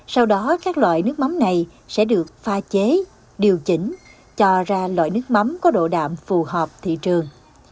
sau đó các loại nước mắm này sẽ được pha chế điều chỉnh cho ra loại nước mắm có độ đạm phù hợp thị trường